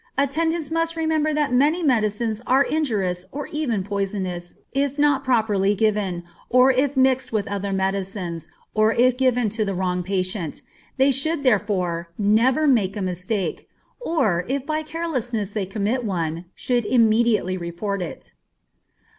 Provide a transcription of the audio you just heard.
Attendants must remember that many medicines are injurious or even poisonous, if not properly given, or if mixed with other medicines, or if given to the wrong patient; they should therefore, never make a mistake, or, if by carelessness they commit one, should immediately report it.